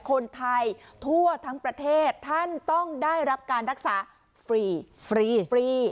คนไทยทั่วทั้งประเทศท่านต้องได้รับการรักษาฟรีฟรีฟรี